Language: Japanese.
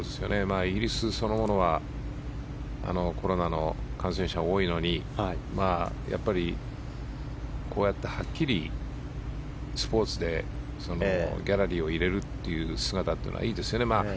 イギリスそのものはコロナの感染者が多いのにやっぱりこうやってはっきりスポーツでギャラリーを入れるという姿はいいですよね。